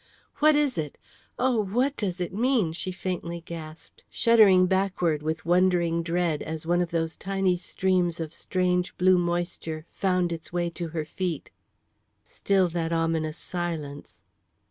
"What is it? Oh, what does it mean?" she faintly gasped, shuddering backward with wondering dread as one of those tiny streams of strange blue moisture found its way to her feet. Still that ominous silence.